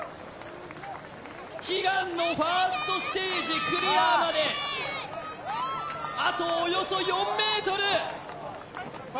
悲願のファーストステージクリアまであとおよそ４ｍ！